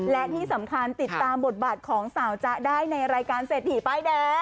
และที่สำคัญติดตามบทบาทของสาวจ๊ะได้ในรายการเศรษฐีป้ายแดง